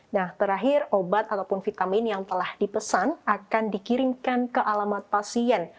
nah terakhir obat ataupun vitamin yang telah dipesan akan dikirimkan ke alamat pasien